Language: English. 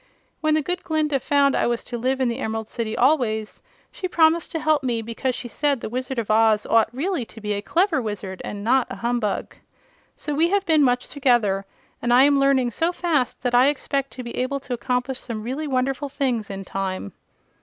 "When the good Glinda found I was to live in the Emerald City always, she promised to help me, because she said the Wizard of Oz ought really to be a clever Wizard, and not a humbug. So we have been much together and I am learning so fast that I expect to be able to accomplish some really wonderful things in time."